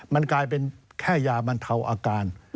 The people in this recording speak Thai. มันกลายเป็นแค่ยาบรรเทาอาการ